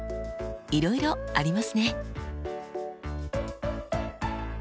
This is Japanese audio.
いろいろありますね。